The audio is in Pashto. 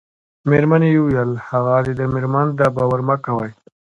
مېرمنې یې وویل: هغه د ده مېرمن ده، باور مه کوئ.